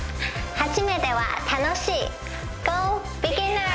初めては楽しい。